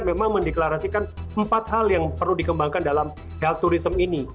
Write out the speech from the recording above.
memang mendeklarasikan empat hal yang perlu dikembangkan dalam health tourism ini